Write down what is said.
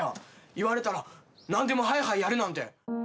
言われたら何でもハイハイやるなんて」